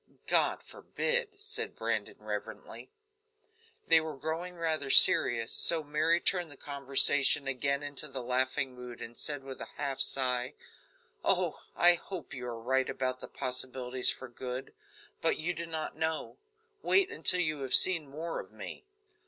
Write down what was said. "God forbid!" said Brandon reverently. They were growing rather serious, so Mary turned the conversation again into the laughing mood, and said, with a half sigh: "Oh! I hope you are right about the possibilities for good, but you do not know. Wait until you have seen more of me."